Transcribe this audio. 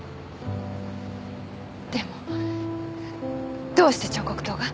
でもどうして彫刻刀が？